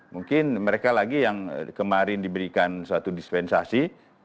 mungkin mereka lagi yang kemarin diberikan suatu dispensasi